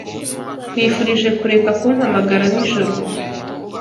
Nkwifurije kureka kumpamagara nijoro.